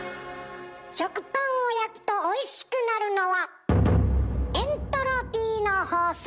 食パンを焼くとおいしくなるのはエントロピーの法則。